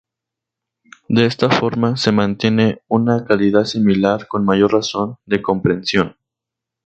De esta forma, se mantiene una calidad similar con mayor razón de compresión.